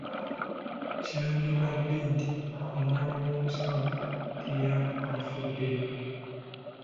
Kyandibadde nti omwana w’omusawo teyandifudde.